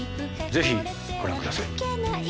ぜひご覧ください。